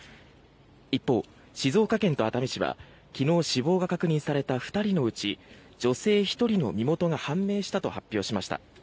一方、静岡県と熱海市は昨日死亡が確認された２人のうち女性１人の身元が判明したと発表しました。